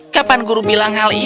kapan guru bilang hal ini